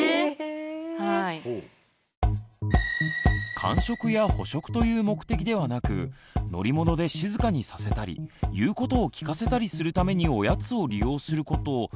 間食や補食という目的ではなく乗り物で静かにさせたり言うことを聞かせたりするためにおやつを利用することありますよね。